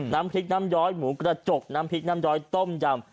น้ำพริกน้ำย้อยหมูกระจกน้ำพริกน้ำย้อยต้มยำ